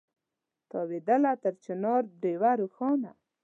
تاوېدله تر چنار ډېوه روښانه